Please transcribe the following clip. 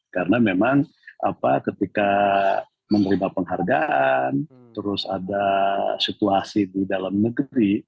karena memang ketika menerima penghargaan terus ada situasi di dalam negeri